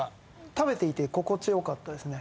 食べていて心地よかったですね